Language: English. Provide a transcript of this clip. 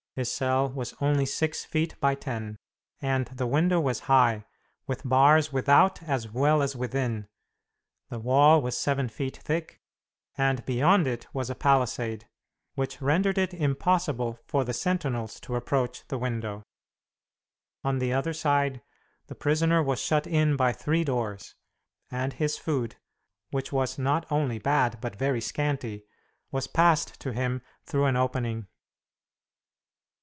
His cell was only six feet by ten, and the window was high, with bars without as well as within. The wall was seven feet thick, and beyond it was a palisade, which rendered it impossible for the sentinels to approach the window. On the other side the prisoner was shut in by three doors, and his food (which was not only bad, but very scanty) was passed to him through an opening.